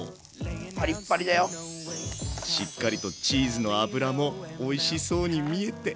しっかりとチーズの脂もおいしそうに見えて。